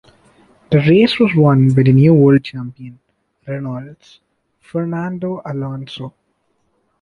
The race was won by the new World Champion, Renault's Fernando Alonso.